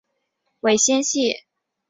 尾纤细。